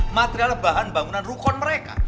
material bahan bangunan rukon mereka